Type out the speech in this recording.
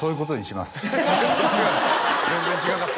全然違かった？